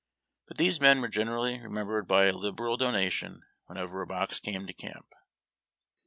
But these men were generally remembered by a liberal donation when ever a box came to camp.